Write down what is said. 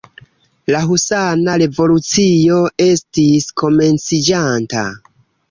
La husana revolucio estis komenciĝanta...